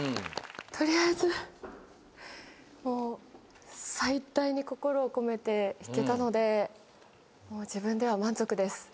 取りあえずもう最大に心を込めて弾けたので自分では満足です。